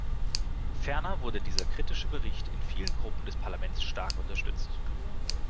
Ferner wurde dieser kritische Bericht in vielen Gruppen des Parlaments stark unterstützt.